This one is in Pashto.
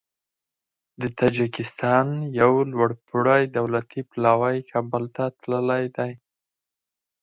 د تاجکستان یو لوړپوړی دولتي پلاوی کابل ته تللی دی.